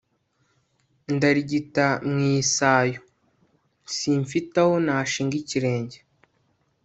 ndarigita mu isayo, simfite aho nashinga ikirenge